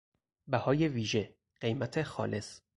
بهای ویژه، قیمت خالص